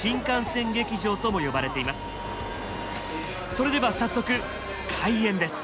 それでは早速開演です。